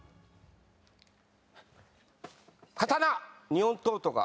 日本刀とか。